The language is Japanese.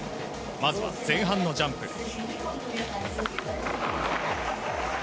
まずは前半のジャンプ。